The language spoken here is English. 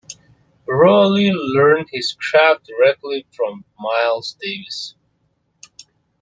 Roney learned his craft directly from Miles Davis.